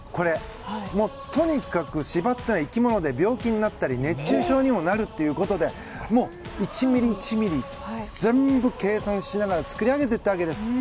とにかく芝って生き物で病気になったり熱中症にもなるということで１ｍｍ１ｍｍ全部計算しながら作り上げていったわけです。